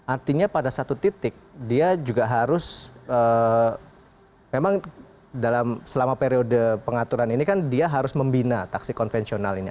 artinya pada satu titik dia juga harus memang dalam selama periode pengaturan ini kan dia harus membina taksi konvensional ini